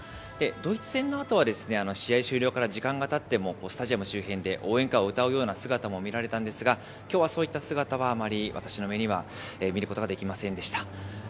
ドイツ戦のあとは、試合終了から時間がたってもスタジアム周辺で応援歌を歌うような姿も見られたんですが、きょうはそういった姿はあまり私の目には見ることができませんでした。